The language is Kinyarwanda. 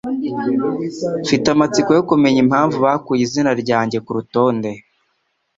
Mfite amatsiko yo kumenya impamvu bakuye izina ryanjye kurutonde.